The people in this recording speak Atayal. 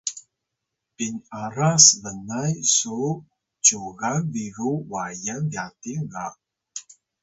pin’aras bnay su cyugan biru wayan byating ga